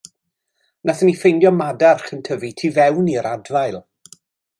Nathon ni ffendio madarch yn tyfu tu fewn i'r adfail.